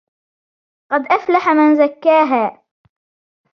قَدْ أَفْلَحَ مَنْ زَكَّاهَا